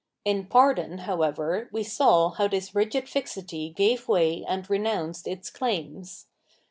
In pardon, however, we saw how this rigid fixity gave way and renounced its claims.